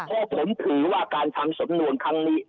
เพราะผมถือว่าการทำสำนวนครั้งนี้